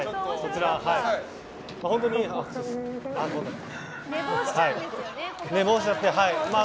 本当に、寝坊しちゃって。